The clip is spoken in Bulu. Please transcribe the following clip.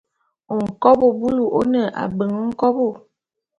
Nkobô bulu ô ne abeng nkobo.